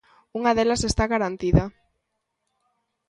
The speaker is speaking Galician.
Unha delas está garantida.